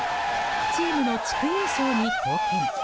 チームの地区優勝に貢献。